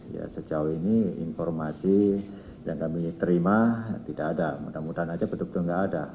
ya sejauh ini informasi yang kami terima tidak ada mudah mudahan aja betul betul nggak ada